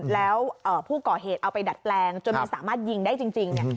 แล้วผู้ก่อเหตุเอาไปดัดแปลงจนไม่สามารถยิงได้จริงเนี่ย